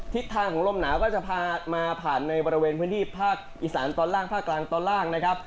ทิศทางของลมหนาวก็จะพามาผ่านในบริเวณพื้นที่ภาคอีสานตอนล่างภาคกลางตอนล่างนะครับ